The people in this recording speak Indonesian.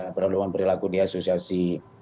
pedoman perilaku di asosiasi